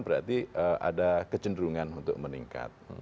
berarti ada kecenderungan untuk meningkat